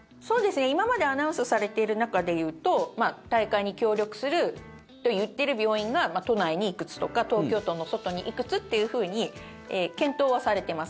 今までアナウンスされている中でいうと大会に協力すると言ってる病院が都内にいくつとか東京都の外にいくつってふうに検討はされてます。